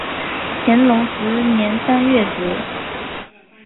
乾隆十年三月卒。